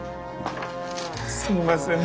すみません。